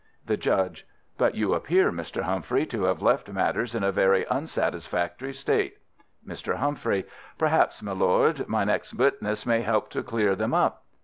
The Judge: But you appear, Mr. Humphrey, to have left matters in a very unsatisfactory state. Mr. Humphrey: Perhaps, my lord, my next witness may help to clear them up.